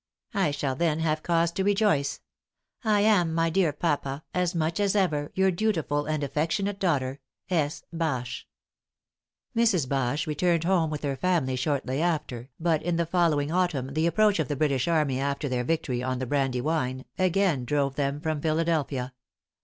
I shall then have cause to rejoice. I am, my dear papa, as much as ever, your dutiful and affectionate daughter. S. Bache." Mrs. Bache returned home with her family shortly after, but in the following autumn the approach of the British army after their victory on the Brandywine, again drove them from Philadelphia.